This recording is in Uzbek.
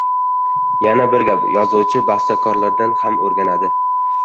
Yana bir gap: yozuvchi bastakorlardan ham oʻrganadi.